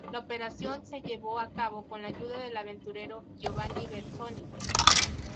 La operación se llevó a cabo con la ayuda del aventurero Giovanni Belzoni.